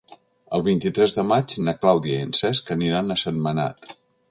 El vint-i-tres de maig na Clàudia i en Cesc aniran a Sentmenat.